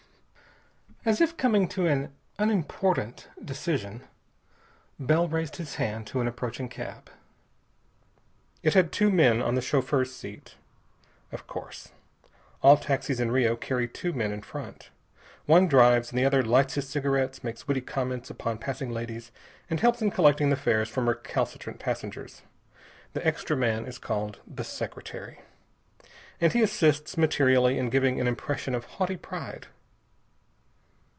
As if coming to an unimportant decision, Bell raised his hand to an approaching cab. It had two men on the chauffeur's seat. Of course. All taxis in Rio carry two men in front. One drives, and the other lights his cigarettes, makes witty comments upon passing ladies, and helps in collecting the fares from recalcitrant passengers. The extra man is called the "secretary," and he assists materially in giving an impression of haughty pride.